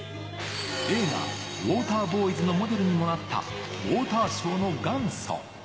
映画『ウォーターボーイズ』のモデルにもなったウォーターショーの元祖。